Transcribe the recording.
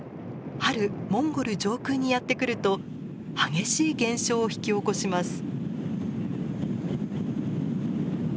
春モンゴル上空にやって来ると激しい現象を引き起こします。